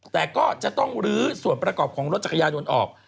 แต่ก็จะต้องลื้อส่วนประกอบของรถจักรยานยนต์ออก